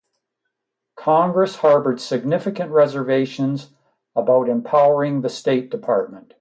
Congress harbored significant reservations about empowering the State Department.